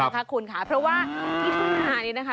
เพราะว่าที่ทางหนานี้นะคะ